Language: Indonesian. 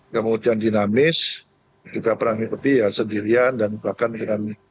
kemudian dinamis juga perang putih ya sendirian dan bahkan dengan